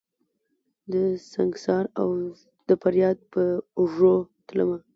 دسنګسار اودفریاد په اوږو تلمه